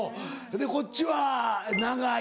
でこっちは永井。